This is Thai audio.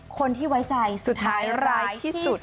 คนที่ไว้ใจสุดท้ายร้ายที่สุด